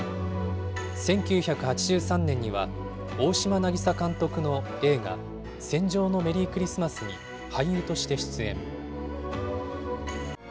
１９８３年には、大島渚監督の映画、戦場のメリークリスマスに俳優として出演。